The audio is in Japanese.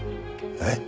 えっ？